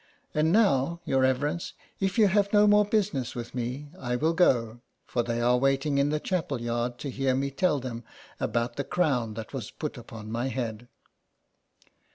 And now, your reverence, if you have no more business with me I will go, for they are waiting in the chapel yard to hear me tell them about the crown that was put upon my head."